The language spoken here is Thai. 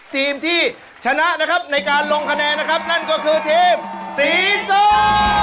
ทีมที่ชนะนะครับในการลงคะแนนนะครับนั่นก็คือทีมสีส้ม